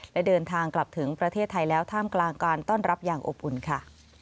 และเดินทางกลับถึงประเทศไทยแล้วท่ามกลางการต้อนรับอย่างอบอุ่นค่ะ